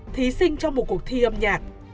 thí sinh trong một cuộc thi âm nhạc